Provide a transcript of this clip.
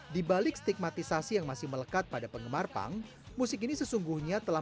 di balik stigmatisasi yang masih melekat pada penggemar punk musik ini sesungguhnya telah